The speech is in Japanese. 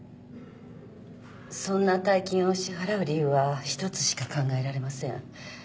そんな大金を支払う理由は一つしか考えられません。